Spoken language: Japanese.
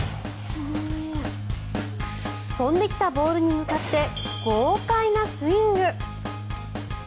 飛んできたボールに向かって豪快なスイング。